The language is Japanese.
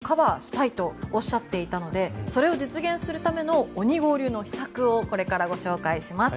年末までに東京２３区全てをカバーしたいとおっしゃっていたのでそれを実現するためのＯｎｉＧＯ流の秘策をこれからご紹介します。